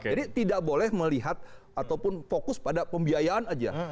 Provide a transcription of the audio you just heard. jadi tidak boleh melihat ataupun fokus pada pembiayaan saja